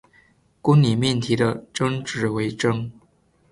公理命题的真值为真。